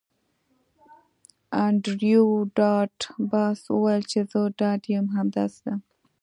انډریو ډاټ باس وویل چې زه ډاډه یم همداسې ده